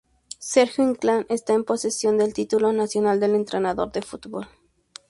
Sergio Inclán está en posesión del título nacional de entrenador de fútbol.